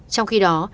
trong khi đó